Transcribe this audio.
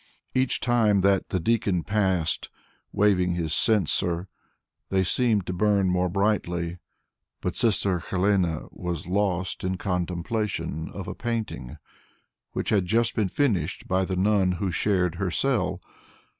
Each time that the deacon passed, waving his censer, they seemed to burn more brightly. But Sister Helene was lost in contemplation of a painting which had just been finished by the nun who shared her cell.